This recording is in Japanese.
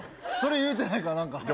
それ言うてないから何か。